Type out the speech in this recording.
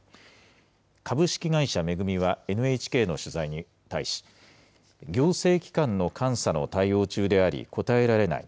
株式会社恵は、ＮＨＫの取材に対し、行政機関の監査の対応中であり、答えられない。